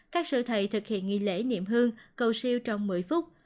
các sự thầy thực hiện nghi lễ niệm hương cầu siêu trong một mươi phút